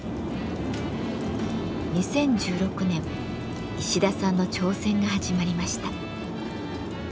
２０１６年石田さんの挑戦が始まりました。